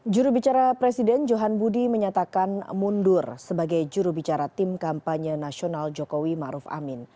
jurubicara presiden johan budi menyatakan mundur sebagai jurubicara tim kampanye nasional jokowi maruf amin